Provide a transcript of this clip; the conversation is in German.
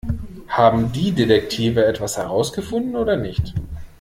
Haben die Detektive etwas herausgefunden oder nicht?